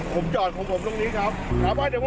ผมจอดของผมตรงนี้ครับ